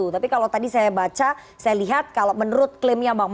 tapi kalau tadi saya baca saya lihat kalau menurut klaimnya